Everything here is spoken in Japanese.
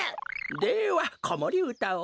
ではこもりうたを。